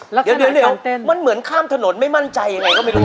แล้วเดี๋ยวมันเหมือนข้ามถนนไม่มั่นใจยังไงก็ไม่รู้